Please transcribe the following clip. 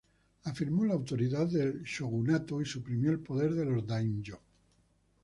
Afirmó la autoridad del shogunato y suprimió el poder de los daimyō.